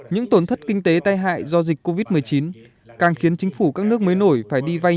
những tổn thất kinh tế tai hại do dịch covid một mươi chín càng khiến chính phủ các nước mới nổi phải đi vay